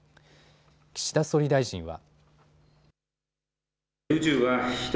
岸田総理大臣は。